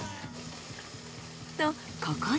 とここで。